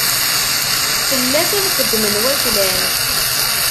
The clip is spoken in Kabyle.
Fell-as ad xeddmen waklan.